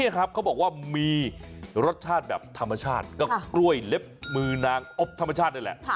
เขาบอกว่ามีรสชาติแบบธรรมชาติก็กล้วยเล็บมือนางอบธรรมชาตินี่แหละ